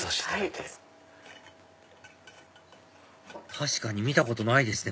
確かに見たことないですね